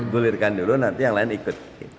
gulirkan dulu nanti yang lain ikut